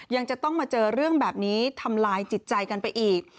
ยังจะต้องมาเจอเรื่องแบบนี้ทำลายจิตใจกันไปอีก